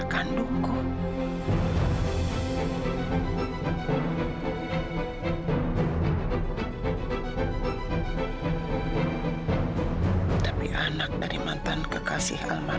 bawa anak dari mantan kekasih mas